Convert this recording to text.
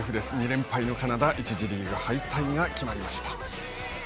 ２連敗のカナダ１次リーグ敗退が決まりました。